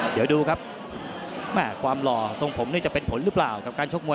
เดี๋ยวดูครับความหล่อทรงผมนี่จะเป็นผลหรือเปล่ากับการชกมวย